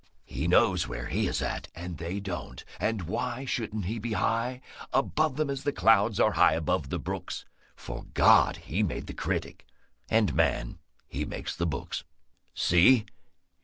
He knows where he is at, And they don't. And why Shouldn't he be high Above them as the clouds Are high above the brooks, For God, He made the Critic, And man, he makes the books. See?